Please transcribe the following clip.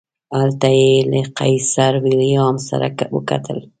هلته یې له قیصر ویلهلم سره وکتل.